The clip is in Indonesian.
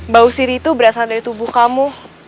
bau siri itu berasal dari tubuh kamu